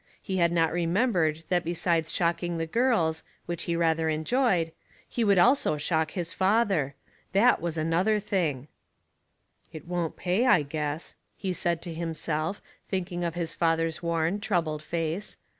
He had not remembered that besides shocking the girls, which he rather en joyed, he would also shock his father. That was another thinir. "It won't pay, I guess," he said to himself, thinking of his father's worn, troubled face.